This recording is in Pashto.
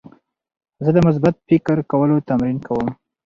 زه د مثبت فکر کولو تمرین کوم.